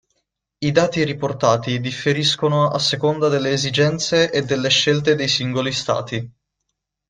I dati riportati differiscono a seconda delle esigenze e delle scelte dei singoli stati.